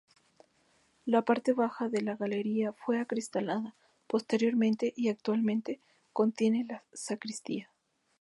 La parte baja de la galería fue acristalada posteriormente y actualmente contiene la sacristía.